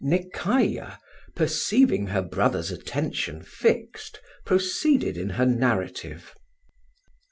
NEKAYAH, perceiving her brother's attention fixed, proceeded in her narrative.